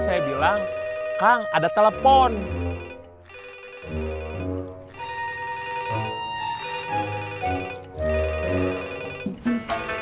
baralohi halnya perlu lidah dek